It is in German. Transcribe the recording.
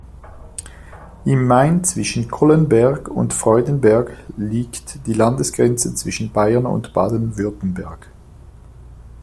Im Main zwischen Collenberg und Freudenberg liegt die Landesgrenze zwischen Bayern und Baden-Württemberg.